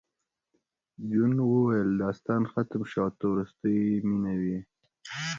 جون وویل داستان ختم شو او ته وروستۍ مینه وې